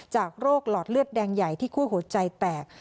จากโรคหลอดเลือดแดงใหญ่ที่คั่วหัวใจแตก